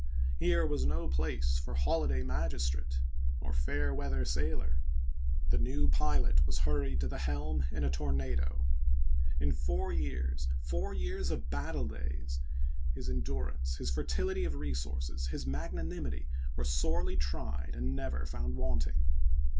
Here was no place for holiday magistrate, nor fair weather sailor ; the new pilot was hurried to the helm in a tornado. In four years — four years of battle days — his endurance, his fertility of resources, his magnanimity, were sorely tried and never found wanting.